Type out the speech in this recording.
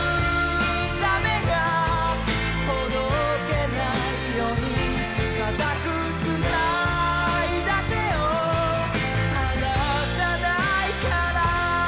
うん。